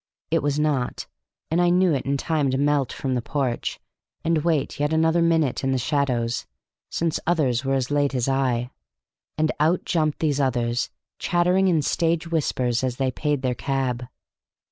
It was not, and I knew it in time to melt from the porch, and wait yet another minute in the shadows, since others were as late as I. And out jumped these others, chattering in stage whispers as they paid their cab.